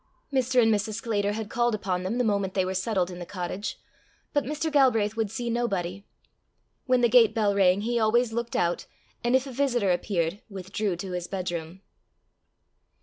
Mr. and Mrs. Sclater had called upon them the moment they were settled in the cottage; but Mr. Galbraith would see nobody. When the gate bell rang, he always looked out, and if a visitor appeared, withdrew to his bedroom.